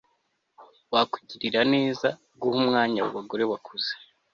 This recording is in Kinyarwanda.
Wakugirira neza guha umwanya abo bagore bakuze